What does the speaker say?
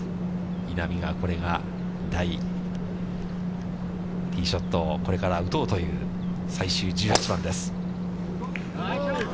稲見がこれがティーショットをこれから打とうという、最終１８番です。